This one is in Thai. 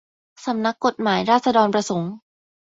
สำนักกฎหมายราษฏรประสงค์